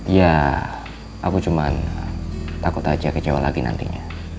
ya aku cuma takut aja kecewa lagi nantinya